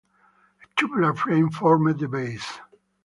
A tubular frame formed the base.